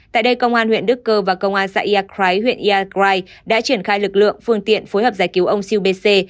tại đây công an huyện đức cơ và công an xã yà crái huyện yà crái đã triển khai lực lượng phương tiện phối hợp giải cứu ông siêu bê xê